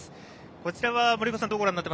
こちらは森岡さん